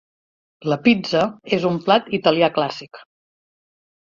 La pizza és un plat italià clàssic.